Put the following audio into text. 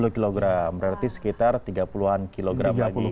dua puluh kg berarti sekitar tiga puluh an kilogram lagi